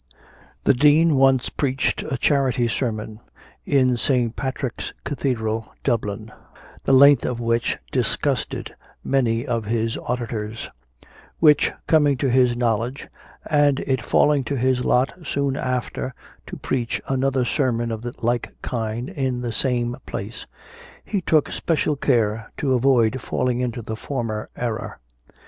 The Dean once preached a charity sermon in St. Patrick's Cathedral, Dublin, the length of which disgusted many of his auditors; which, coming to his knowledge, and it falling to his lot soon after to preach another sermon of the like kind in the same place, he took special care to avoid falling into the former error.